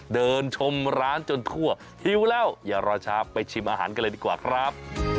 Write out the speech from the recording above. เดินชมร้านจนทั่วหิวแล้วอย่ารอช้าไปชิมอาหารกันเลยดีกว่าครับ